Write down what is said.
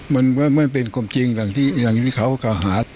มันไม่เป็นความจริงหลังที่เขาหา